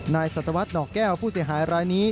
นายสัตวัสดิ์หนอกแก้วผู้เสียหายรายนี้